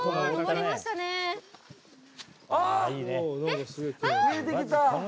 見えてきた。